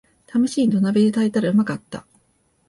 ためしに土鍋で炊いたらうまかった